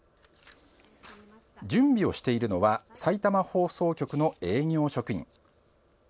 準備をしているのはさいたま放送局の営業職員。